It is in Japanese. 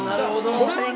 これはね